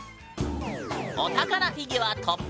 お宝フィギュアトップ３！